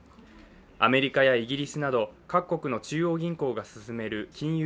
アメリカやイギリスなど各国の中央銀行が進める金融